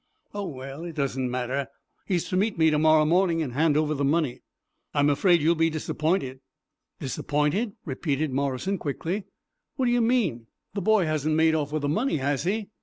"Oh, well, it doesn't matter. He is to meet me to morrow morning and hand over the money." "I am afraid you will be disappointed." "Disappointed," repeated Morrison, quickly. "What do you mean? The boy hasn't made off with the money, has he?